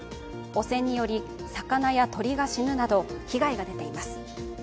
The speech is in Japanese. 汚染により魚や鳥が死ぬなど被害が出ています。